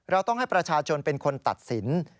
เราต้องให้ประชาชนเป็นคนตัดสิน